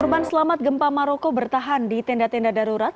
korban selamat gempa maroko bertahan di tenda tenda darurat